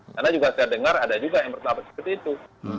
karena juga saya dengar ada juga yang bertawab seperti itu